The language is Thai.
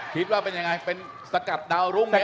คิดว่าเป็นยังไงเป็นสกัดดาวรุ่งไหม